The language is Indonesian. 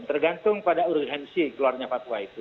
tergantung pada urgensi keluarnya fatwa itu